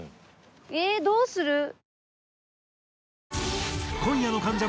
えどうする？